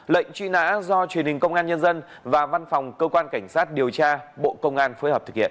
lệnh truy nã do truyền hình công an nhân dân và văn phòng cơ quan cảnh sát điều tra bộ công an phối hợp thực hiện